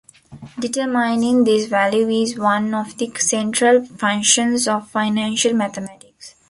Determining this value is one of the central functions of financial mathematics.